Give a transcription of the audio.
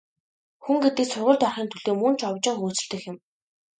Хүн гэдэг сургуульд орохын төлөө мөн ч овжин хөөцөлдөх юм.